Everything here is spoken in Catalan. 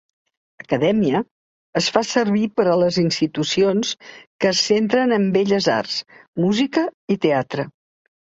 "Acadèmia" es fa servir per a les institucions que es centren en belles arts, música i teatre.